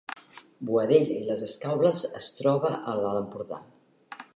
Boadella i les Escaules es troba a l’Alt Empordà